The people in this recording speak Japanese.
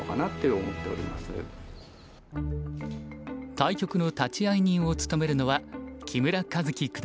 対局の立会人を務めるのは木村一基九段。